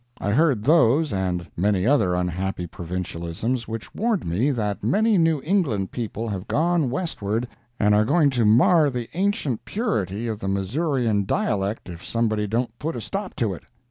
I heard those and many other unhappy provincialisms which warned me that many New England people have gone westward and are going to mar the ancient purity of the Missourian dialect if somebody don't put a stop to it.